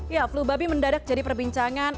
ya flu babi mendadak jadi perbincangan